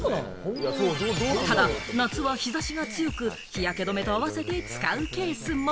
ただ夏は日差しが強く、日焼け止めと合わせて使うケースも。